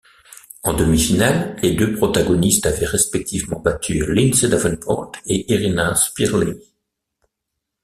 En demi-finale, les deux protagonistes avaient respectivement battu Lindsay Davenport et Irina Spîrlea.